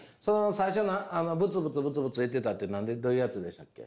最初のブツブツブツブツ言ってたってどういうやつでしたっけ。